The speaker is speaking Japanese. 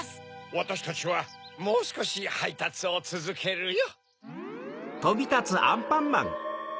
わたしたちはもうすこしはいたつをつづけるよ。